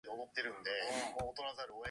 The runway alert continues to this day.